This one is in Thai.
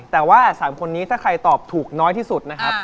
แต่ว่า๓คนนี้ถ้าใครตอบถูกน้อยที่สุดนะครับ